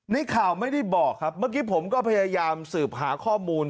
ในข่าวไม่ได้บอกครับเมื่อกี้ผมก็พยายามสืบหาข้อมูล